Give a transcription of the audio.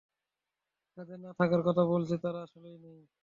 যাদের না থাকার কথা বলছি তারা আসলেই নেই।